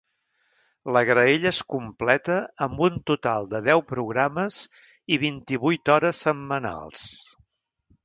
La graella es completa amb un total de deu programes i vint-i-vuit hores setmanals.